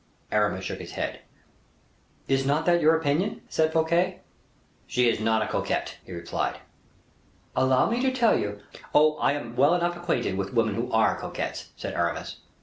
Aramis shook his head. "Is not that your opinion?" said Fouquet. "She is not a coquette," he replied. "Allow me to tell you " "Oh! I am well enough acquainted with women who are coquettes," said Aramis.